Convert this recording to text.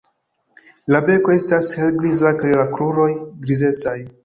La beko estas helgriza kaj la kruroj grizecaj.